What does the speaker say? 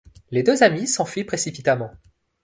Les deux amies s’enfuient précipitamment.